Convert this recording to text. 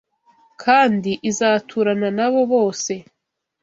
kandi izaturana na bo bose